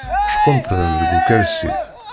Ckunṭḍen deg ukersi.